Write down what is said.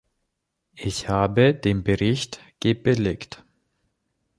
Ich habe den Bericht gebilligt.